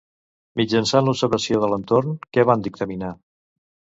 Mitjançant l'observació de l'entorn, què van dictaminar?